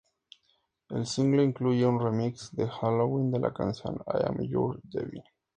El single incluye un remix de halloween de la canción "I'm your devil".